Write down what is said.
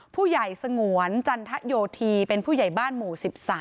ผู้ใหญ่สงวนจันทโยธีเป็นผู้ใหญ่บ้านหมู่๑๓